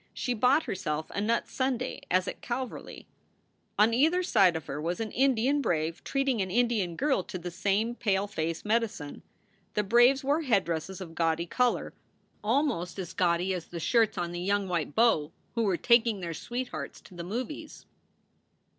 She bought herself a nut sundae as at Calverly. On either side of her was an Indian brave treating an Indian girl to the same pale face medicine. The braves wore head dresses of gaudy color almost as gaudy as the shirts on the young white beaux who were taking their sweethearts to the movies.